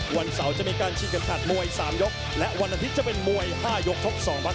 วันเสาร์จะมีการชิงเข็มขัดมวย๓ยกและวันอาทิตย์จะเป็นมวย๕ยกชก๒พัก